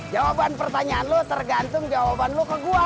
jawaban pertanyaan lo tergantung jawaban lo ke gue